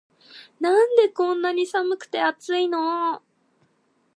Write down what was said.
なんでこんなに寒くて熱いの